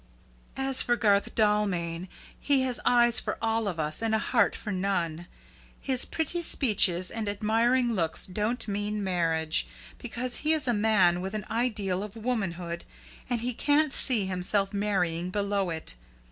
As for Garth Dalmain, he has eyes for all of us and a heart for none. His pretty speeches and admiring looks don't mean marriage, because he is a man with an ideal of womanhood and he can't see himself marrying below it.